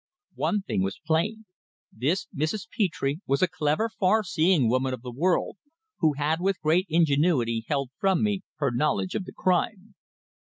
One thing was plain. This Mrs. Petre was a clever, far seeing woman of the world, who had with great ingenuity held from me her knowledge of the crime.